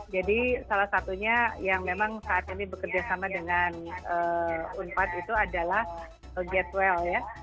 jadi salah satunya yang memang saat ini bekerja sama dengan unpad itu adalah getwell ya